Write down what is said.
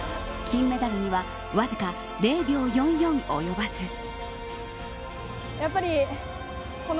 金メダルにはわずか０秒４４及ばず。